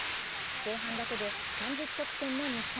前半だけで３０得点の日本。